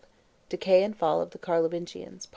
DECAY AND FALL OF THE CARLOVINGIANS.